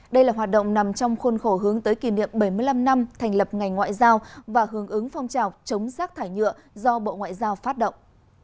đây là hoạt động nằm trong khuôn khổ hướng tới kỷ niệm bảy mươi năm năm thành lập ngành ngoại giao và hướng ứng phong trào chống rác thải nhựa do bộ ngoại giao phát động